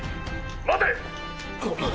待て。